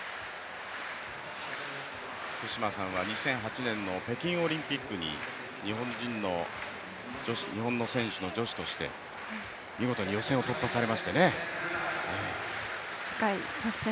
福島さんは２００８年の北京オリンピックに日本選手の女子として見事に予選を突破されましてね。